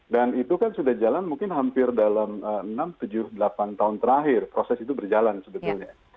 dan itu kan sudah jalan mungkin hampir dalam enam tujuh delapan tahun terakhir proses itu berjalan sebetulnya